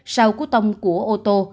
sau cú tông của ô tô